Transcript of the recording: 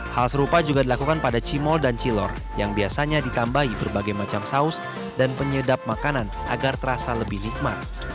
hal serupa juga dilakukan pada cimol dan cilor yang biasanya ditambahi berbagai macam saus dan penyedap makanan agar terasa lebih nikmat